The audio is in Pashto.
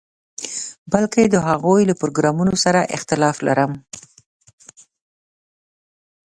بلکې د هغوی له پروګرامونو سره اختلاف لرم.